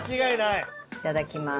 いただきます。